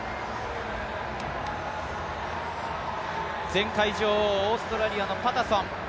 前回女王、オーストラリアのパタソン。